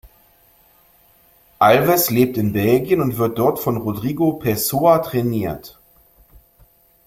Alves lebt in Belgien und wird dort von Rodrigo Pessoa trainiert.